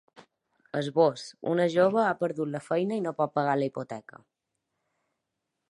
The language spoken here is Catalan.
Esbós: Una jove ha perdut la feina i no pot pagar la hipoteca.